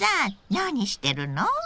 何してるの？